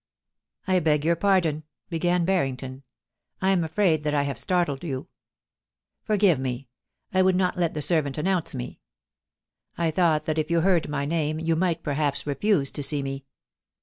' I beg your pardon,' began Barrington ;' I am afraid that I have startled you. Forgive me ; I would not let the ser vant announce me. I thought that if you heard my name you might perhaps refuse to see me.